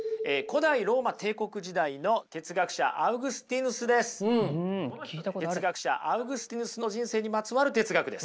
哲学者アウグスティヌスの人生にまつわる哲学です。